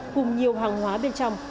cùng nhiều hàng hóa bên trong